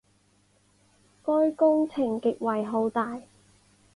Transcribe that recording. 该工程极为浩大。